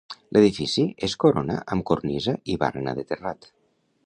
L'edifici es corona amb cornisa i barana de terrat.